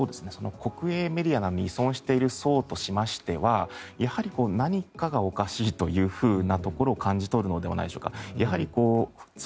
国営メディアが見通している層としてはやはり何かがおかしいというふうなところを感じ取るのではないでしょうか。